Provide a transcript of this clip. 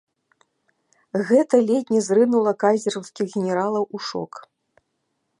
Гэта ледзь не зрынула кайзераўскіх генералаў у шок.